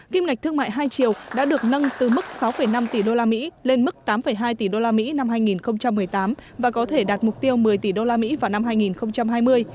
kim ngạch thương mại hai triệu đã được nâng từ mức sáu năm tỷ usd lên mức tám hai tỷ usd năm hai nghìn một mươi tám và có thể đạt mục tiêu một mươi tỷ usd vào năm hai nghìn hai mươi